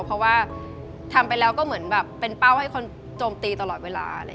เพราะว่าทำไปแล้วก็เหมือนแบบเป็นเป้าให้คนโจมตีตลอดเวลา